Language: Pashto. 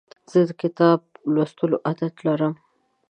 زه د کتاب لوستلو عادت لرم.